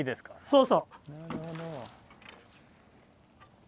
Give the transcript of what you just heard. そうそう。